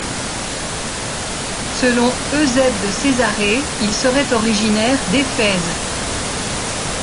Selon Eusèbe de Césarée, il serait originaire d'Éphèse.